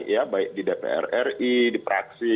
ya baik di dpr ri di praksi